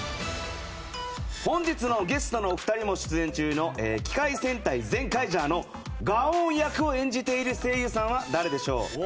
本日のゲストのお二人も出演中の「機界戦隊ゼンカイジャー」のガオーン役を演じている声優さんは誰でしょう？